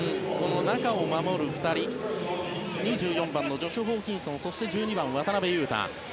中を守る２人２４番のジョシュ・ホーキンソンそして１２番の渡邊雄太。